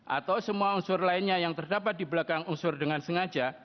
atau semua unsur lainnya yang terdapat di belakang unsur dengan sengaja